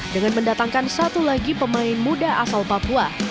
dengan mendatangkan satu lagi pemain muda asal papua